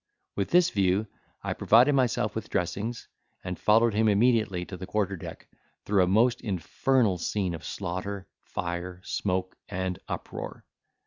With this view I provided myself with dressings, and followed him immediately to the quarter deck, through a most infernal scene of slaughter, fire, smoke, and uproar.